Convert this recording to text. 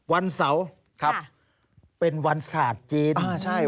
วันเสาร์ครับเป็นวันศาสตร์จีนอ่าใช่